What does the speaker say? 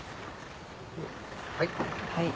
はい。